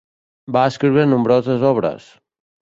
Va escriure nombroses obres.